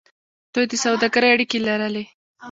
دوی د سوداګرۍ اړیکې لرلې.